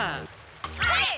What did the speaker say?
はい！